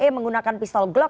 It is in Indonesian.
menggunakan pistol glock